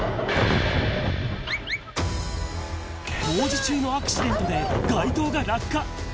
工事中のアクシデントで、街灯が落下。